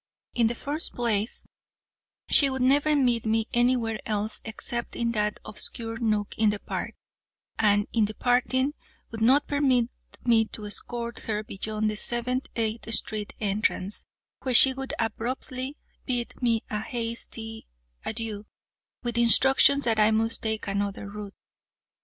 In the first place she would never meet me anywhere else except in that obscure nook in the park, and in departing would not permit me to escort her beyond the Seventy eighth street entrance, where she would abruptly bid me a hasty adieu, with instructions that I must take another route.